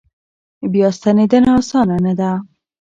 بیا ستنېدنه اسانه نه ده.